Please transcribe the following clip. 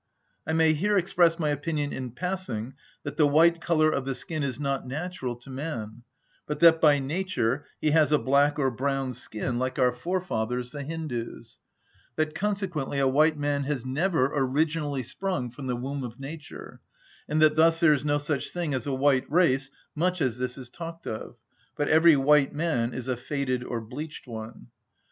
I may here express my opinion in passing that the white colour of the skin is not natural to man, but that by nature he has a black or brown skin, like our forefathers the Hindus; that consequently a white man has never originally sprung from the womb of nature, and that thus there is no such thing as a white race, much as this is talked of, but every white man is a faded or bleached one.